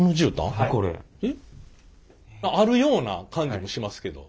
えっあるような感じもしますけど。